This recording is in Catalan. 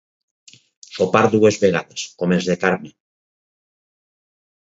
Sopar dues vegades, com els de Carme.